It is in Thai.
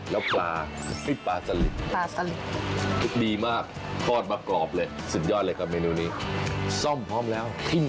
แล้วปลาพริกปลาสลิด